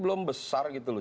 belum besar gitu loh